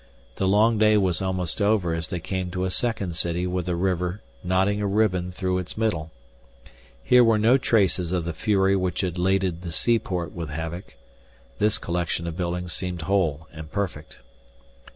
The long day was almost over as they came to a second city with a river knotting a ribbon through its middle. Here were no traces of the fury which had laded the seaport with havoc. This collection of buildings seemed whole and perfect.